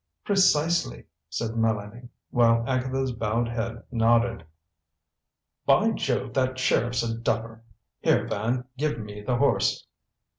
"Precisely," said Mélanie, while Agatha's bowed head nodded. "By Jove, that sheriff's a duffer! Here, Van, give me the horse."